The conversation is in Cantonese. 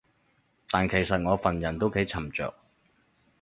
但其實我份人都幾沉着